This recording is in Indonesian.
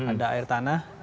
ada air tanah